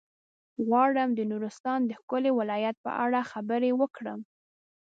غواړم د نورستان د ښکلي ولايت په اړه خبرې وکړم.